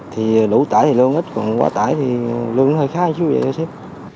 thì lũ tải thì lương ít còn quá tải thì lương nó hơi khá chú vậy đó sếp